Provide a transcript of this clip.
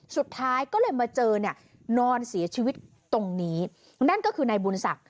สุดท้ายก็เลยมาเจอเนี่ยนอนเสียชีวิตตรงนี้นั่นก็คือนายบุญศักดิ